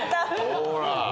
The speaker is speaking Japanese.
ほら。